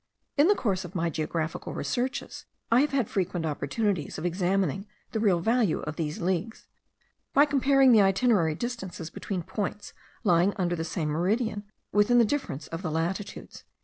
In the course of my geographical researches, I have had frequent opportunities of examining the real value of these leagues, by comparing the itinerary distances between points lying under the same meridian with the difference of latitudes.)